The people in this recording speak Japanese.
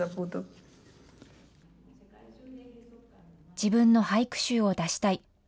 自分の俳句集を出したい。